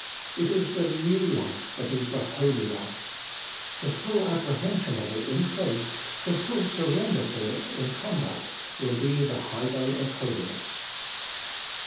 It is the New Life that is the holy life : the full apprehension of it in faith, the full surrender to it in conduct, will be the highway of holiness.